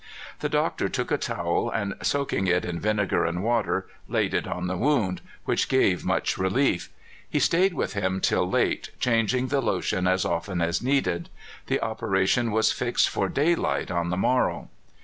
The doctor took a towel, and soaking it in vinegar and water, laid it on the wound, which gave much relief. He stayed with him till late, changing the lotion as often as needed. The operation was fixed for daylight on the morrow.